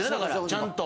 ちゃんと。